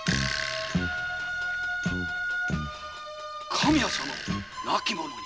神谷様を亡き者に？